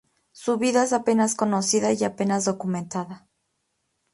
Su vida es apenas conocida y apenas documentada.